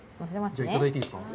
じゃあ、いただいていいですか？